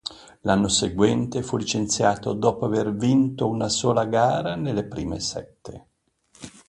L'anno seguente fu licenziato dopo avere vinto una sola gara nelle prime sette.